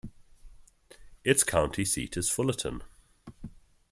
Its county seat is Fullerton.